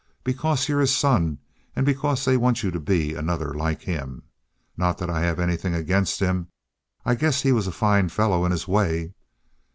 Because you're his son, and because they want you to be another like him. Not that I have anything against him. I guess he was a fine fellow in his way."